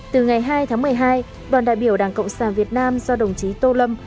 từ ngày hai tháng một mươi hai đoàn đại biểu đảng cộng sản việt nam do đồng chí tô lâm